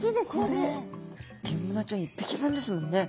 これギンブナちゃん１匹分ですもんね。